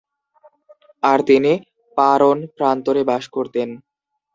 আর তিনি পারণ প্রান্তরে বাস করতেন।